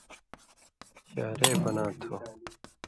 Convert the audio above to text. شارِع بناں تھو۔